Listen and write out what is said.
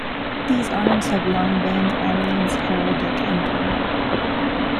These arms have long been Ireland's heraldic emblem.